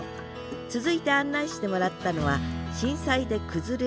続いて案内してもらったのは震災で崩れ落ちた石垣。